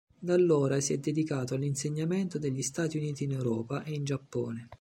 Da allora si è dedicato all'insegnamento negli Stati Uniti in Europa e in Giappone.